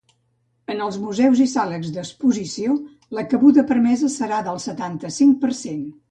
En els museus i sales d’exposició la cabuda permesa serà del setanta-cinc per cent.